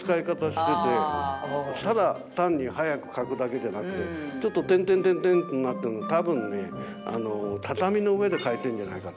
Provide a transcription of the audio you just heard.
ただ単に速く描くだけじゃなくてちょっと点々点々ってなってるのは多分ね畳の上で描いてるんじゃないか。